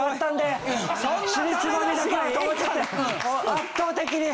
圧倒的に。